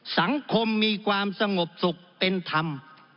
สังคมมีความสงบสุขเป็นธรรม